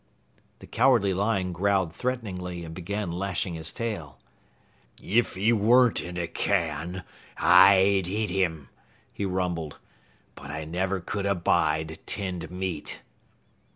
The Cowardly Lion growled threateningly and began lashing his tail. "If he weren't in a can, I'd eat him," he rumbled, "but I never could abide tinned meat."